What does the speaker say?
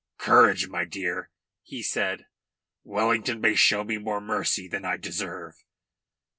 "Courage, my dear," he said. "Wellington may show me more mercy than I deserve."